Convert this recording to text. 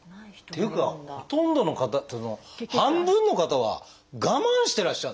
っていうかほとんどの方っていうのは半分の方は我慢してらっしゃるんですね。